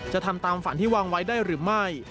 จะทำตามฝันที่วางไว้ได้หรือไม่